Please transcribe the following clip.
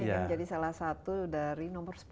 yang menjadi salah satu dari nomor sepuluh